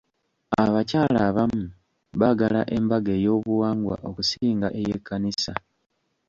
Abakyala abamu baagala embaga ey'obuwangwa okusinga ey'ekkanisa.